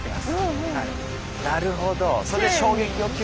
なるほど。